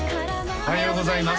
おはようございます